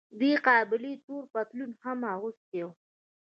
دې قابلې تور پتلون هم اغوستی و.